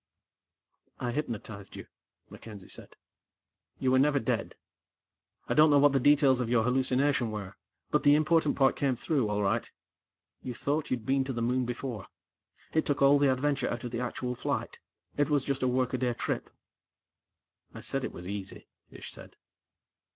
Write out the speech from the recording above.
"I hypnotized you," MacKenzie said. "You were never dead. I don't know what the details of your hallucination were, but the important part came through, all right. You thought you'd been to the Moon before. It took all the adventure out of the actual flight; it was just a workaday trip." "I said it was easy," Ish said.